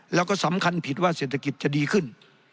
แล้วก็สำคัญผิดว่าเศรษฐกิจจะดีขึ้น